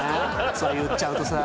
それ言っちゃうとさ。